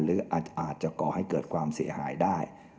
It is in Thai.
หรืออาจจะก่อให้เกิดความเสียหายได้